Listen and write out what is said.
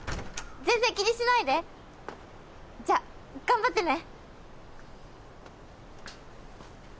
全然気にしないでじゃ頑張ってね。